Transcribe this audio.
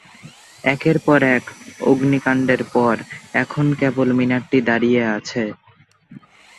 একের পর এক অগ্নিকাণ্ডের পর এখন কেবল মিনারটি দাঁড়িয়ে আছে।